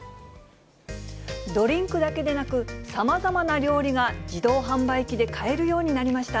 ドリンクだけでなく、さまざまな料理が自動販売機で買えるようになりました。